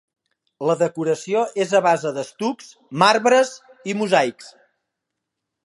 La decoració és a base d'estucs, marbres i mosaics.